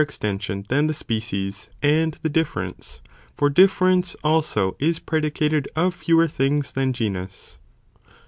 extension than the Ae species and the difference, for difference, also, is ec. _ predicated of fewer things than genus.